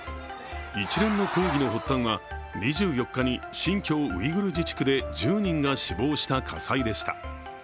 一連の抗議の発端は２４日に新疆ウイグル自治区で１０人が死亡した火災でした。